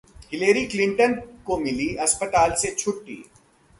Hillary Clinton को मिली अस्पताल से छुट्टी